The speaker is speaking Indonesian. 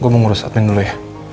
gue mau ngurus admin dulu ya